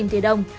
bốn tỷ đồng